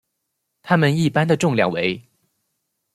它们一般的重量为。